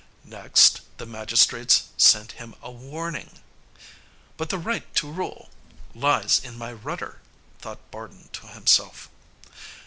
Next, the magistrates sent him a warning. "But the right to rule lies in my rudder," thought Bardun to himself.